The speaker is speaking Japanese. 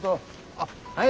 あっはい。